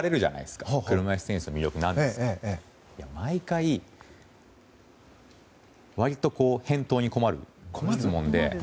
毎回、割と返答に困る質問で。